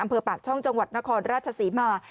อำเภอปากช่องจังหวัดนครราชศรีมา